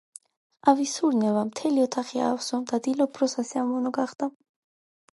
ყავის სურნელმა მთელი ოთახი აავსო და დილა უფრო სასიამოვნო გახადა.